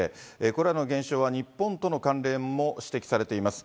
これらの現象は日本との関連も指摘されています。